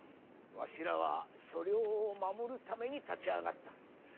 わしらは所領を守るために立ち上がった。